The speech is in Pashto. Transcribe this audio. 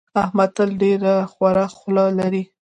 احمد تل ډېره خوره خوله لري.